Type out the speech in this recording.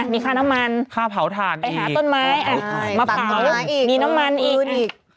มีค่าน้ำมันไปหาต้นไม้มะพร้าวมีน้ำมันอีก